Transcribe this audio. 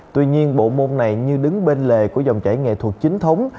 tuy nhiên bộ môn này như đứng bên lề của dòng chảy nghệ thuật chính thống